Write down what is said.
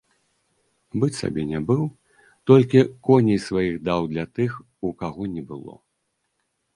Быць сабе не быў, толькі коней сваіх даў для тых, у каго не было.